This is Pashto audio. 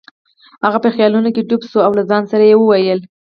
هغه په خیالونو کې ډوب شو او له ځان سره یې وویل.